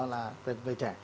là người trẻ